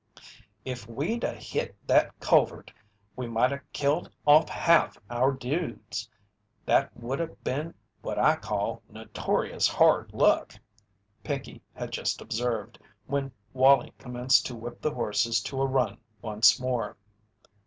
"If we'd 'a' hit that culvert we mighta killed off half our dudes. That woulda been what I call notorious hard luck," Pinkey had just observed, when Wallie commenced to whip the horses to a run once more.